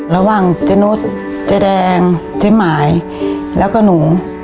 เจนุสเจ๊แดงเจ๊หมายแล้วก็หนู